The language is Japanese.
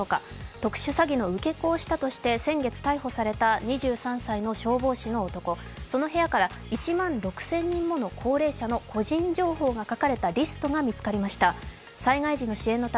特殊詐欺の受け子をしたとして先月逮捕された２３歳の消防士の男、その部屋から１万６００人もの高齢者の個人情報が書かれたリストが見つかりました。